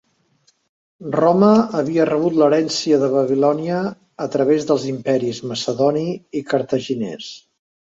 Roma havia rebut l'herència de Babilònia a través dels imperis Macedoni i Cartaginès.